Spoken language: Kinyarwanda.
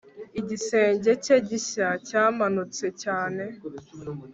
Igisenge cye gishya cyamanutse cyane